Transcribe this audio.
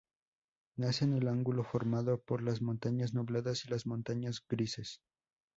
Nace en el ángulo formado por las Montañas Nubladas y las Montañas Grises.